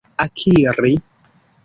akiri